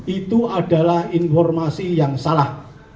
itu adalah informasi yang salah